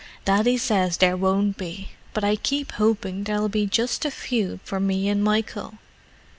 "Daddy says there won't be. But I keep hoping there'll be just a few for me and Michael.